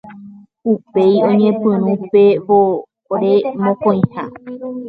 Upéi oñepyrũ pe vore mokõiha.